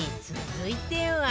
続いては